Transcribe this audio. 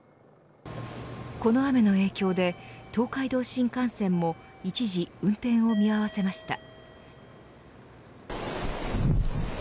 この雨の影響で、東海道新幹線も一時、運転を見合わせました。